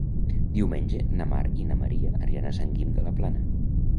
Diumenge na Mar i na Maria aniran a Sant Guim de la Plana.